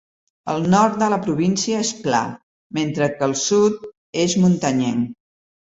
El nord de la província és pla mentre que el sud és muntanyenc.